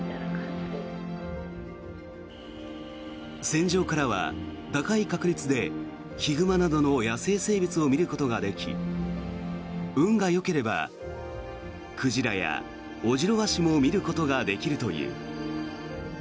船上からは高い確率でヒグマなどの野生生物を見ることができ運がよければ、鯨やオジロワシも見ることができるという。